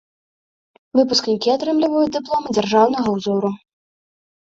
Выпускнікі атрымліваюць дыпломы дзяржаўнага ўзору.